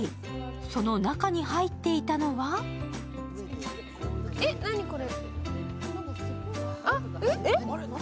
その中に入っていたのはえっ、何これ。